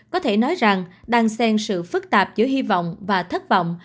có thể nói rằng đang sen sự phức tạp giữa hy vọng và thất vọng